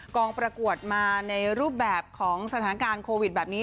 กองประกวดมาในรูปแบบของสถานการณ์โควิดแบบนี้